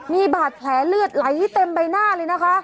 มีบาดแผลเลือดไหลเต็มใบหน้าเลยนะคะ